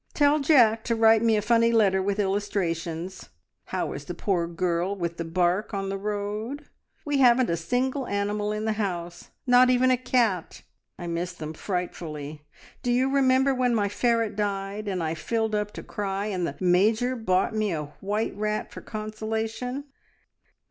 Tell Jack to write me a funny letter with illustrations. How is the poor girl with the bark on the road? We haven't a single animal in the house, not even a cat. I miss them frightfully. Do you remember when my ferret died, and I filled up to cry, and the Major bought me a white rat for consolation?